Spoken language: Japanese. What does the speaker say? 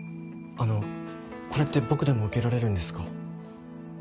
あのこれって僕でも受けられるんですか？